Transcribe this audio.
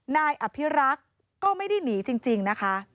นายอภิรักษ์ก็ไม่ได้หนีจริงนะคะ